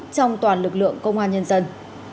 trong toàn lực lượng công an nhân dân